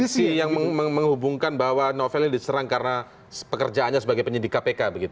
koneksi yang menghubungkan bahwa novelnya diserang karena pekerjaannya sebagai penyidik kpk begitu